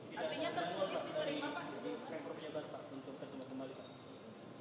artinya tertulis diterima pak